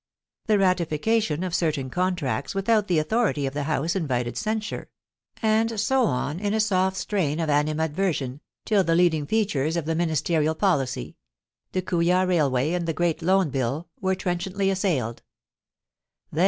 The ratification of certain contracts without the authority of the House invited censure ; and so on, in a soft strain of ani madversion, till the leading features of the Ministerial policy — the Kooya railway and the great Loan Bill — were trenchantly assailed.